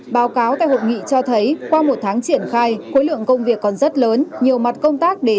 báo cáo tại hội nghị cho thấy qua một tháng triển khai khối lượng công việc còn rất lớn nhiều mặt công tác để